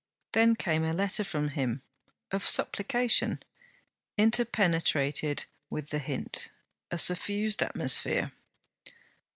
Then came a letter from him of supplication, interpenetrated with the hint: a suffused atmosphere.